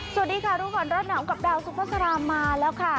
สวัสดีค่ะรุ่นก่อนรับหนังกับดาวซุฟาสรามมาแล้วค่ะ